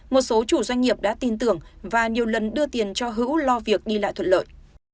một số chủ doanh nghiệp đã tin tưởng và nhiều lần đưa tiền cho hữu lo việc đi lại thuận lợi